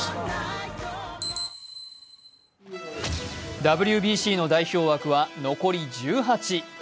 ＷＢＣの代表枠は残り１８。